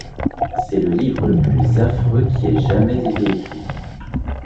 C’est le livre le plus affreux qui ait jamais été écrit!...